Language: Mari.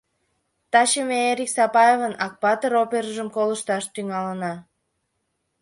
— Таче ме Эрик Сапаевын “Акпатыр” опержым колышташ тӱҥалына.